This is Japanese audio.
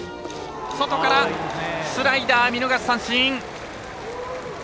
外からスライダー見逃し三振。